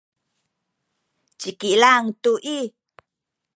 ci Kilang tu i